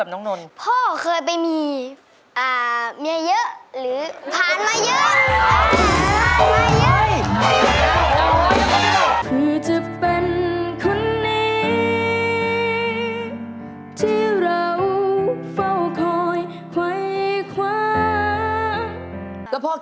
ไม่มีครับ